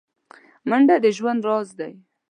منډه د ژوند راز دی